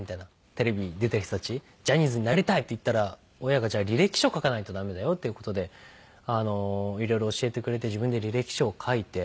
テレビに出てる人たち「ジャニーズになりたい！」って言ったら親が「じゃあ履歴書を書かないとダメだよ」っていう事でいろいろ教えてくれて自分で履歴書を書いて。